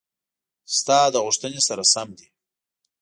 ستا د غوښتنې سره سم دي: